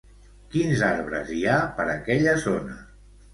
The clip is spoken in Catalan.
Quins arbres hi ha per aquella zona?